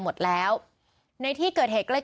มีคนเสียชีวิตคุณ